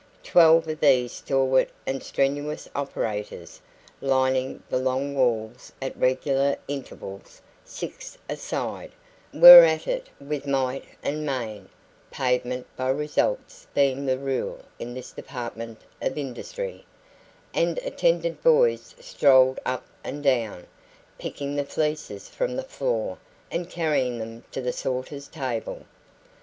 Twelve of these stalwart and strenuous operators, lining the long walls at regular intervals, six a side, were at it with might and main (payment by results being the rule in this department of industry), and attendant boys strolled up and down, picking the fleeces from the floor and carrying them to the sorter's table.